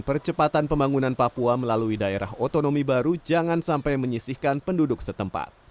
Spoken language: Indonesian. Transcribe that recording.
percepatan pembangunan papua melalui daerah otonomi baru jangan sampai menyisihkan penduduk setempat